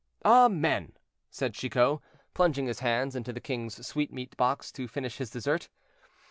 "Amen!" said Chicot, plunging his hands into the king's sweetmeat box to finish his desert.